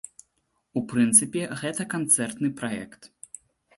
У прынцыпе, гэта канцэртны праект.